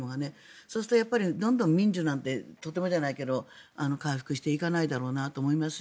そうすると、どんどん民需なんてとてもじゃないけど回復しないだろうなと思いますし。